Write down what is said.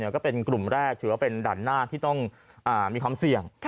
ก็เป็นกลุ่มแรกถือว่าเป็นด่านหน้าที่ต้องมีความเสี่ยง